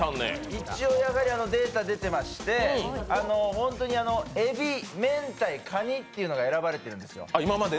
一応、やっぱりデータ出てまして、ホントに、エビ、メンタイ、カニっていうのが選ばれてたんですよ。